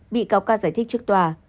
bị cáo ca giải thích trước tòa